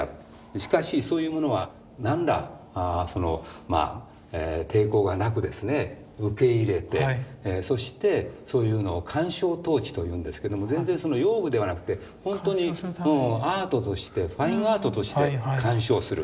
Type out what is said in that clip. しかしそういうものは何ら抵抗がなくですね受け入れてそしてそういうのを鑑賞陶器というんですけども全然用具ではなくてほんとにアートとしてファインアートして鑑賞する。